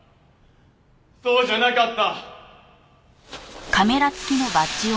そうじゃなかった！